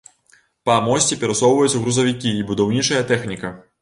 Па мосце перасоўваюцца грузавікі і будаўнічая тэхніка.